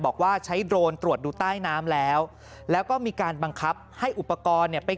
บอกว่าใช้โดรนตรวจดูใต้น้ำแล้วแล้วก็มีการบังคับให้อุปกรณ์เนี่ยไป